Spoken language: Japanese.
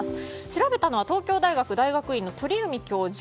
調べたのは東京大学大学院の鳥海教授。